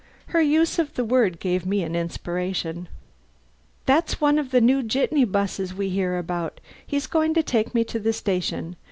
Her use of the word gave me an inspiration. "That's one of the new jitney 'buses we hear about. He's going to take me to the station.